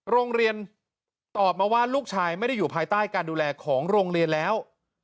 โรงเรียนตอบมาว่าลูกชายไม่ได้อยู่ภายใต้การดูแลของโรงเรียนแล้ว